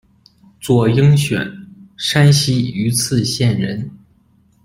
左应选，山西榆次县人。